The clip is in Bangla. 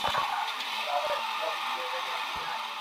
তাহারা সকলেই ঈশ্বরের আরাধনা করে।